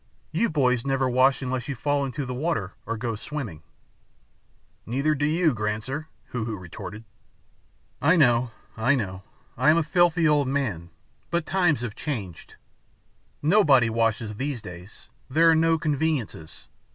You boys never wash unless you fall into the water or go swimming." "Neither do you Granzer," Hoo Hoo retorted. "I know, I know, I am a filthy old man, but times have changed. Nobody washes these days, there are no conveniences.